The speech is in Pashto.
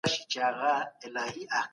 ولسمشر به د جرګي مصوبې توشيح کړي وي.